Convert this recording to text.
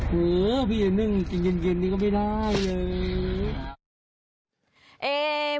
เฮ้อพี่เนื้องินเย็นนี่ก็ไม่ได้เลย